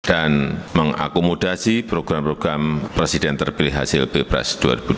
dan mengakomodasi program program presiden terpilih hasil bpres dua ribu dua puluh empat